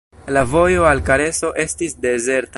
La vojo al Kareso estis dezerta.